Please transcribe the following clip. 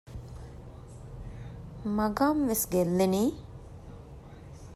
މަގާމް ވެސް ގެއްލެނީ؟